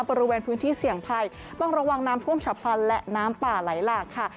บริเวณพื้นที่เสี่ยงภัยต้องระวังน้ำท่วมฉับพลันและน้ำป่าไหลหลากค่ะ